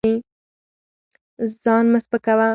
ځان مه سپکوه.